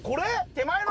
手前の？